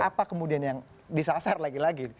apa kemudian yang disasar lagi lagi